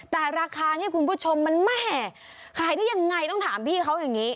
แต่ราคานี้คุณผู้ชมมันแม่ขายได้ยังไงต้องถามพี่เขาอย่างนี้